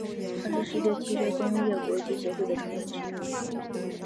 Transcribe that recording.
它是世界汽车工业国际协会的成员之一。